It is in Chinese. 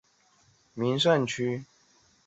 景区级别属于第三批国家重点风景名胜区。